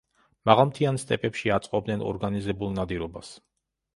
მაღალმთიან სტეპებში აწყობდნენ ორგანიზებულ ნადირობას.